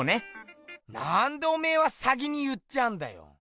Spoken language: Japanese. なんでおめえは先に言っちゃうんだよ！